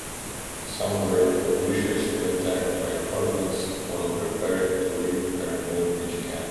Some were viciously attacked by hornets while preparing to leave a remote beach camp.